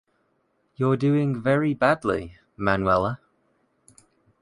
You’re doing very badly, Manuela.